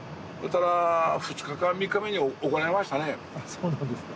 そうなんですか。